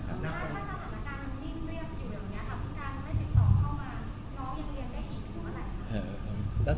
คุณการไม่ติดต่อเข้ามาน้องยังเรียนได้อีกที่เมื่อไหร่ครับ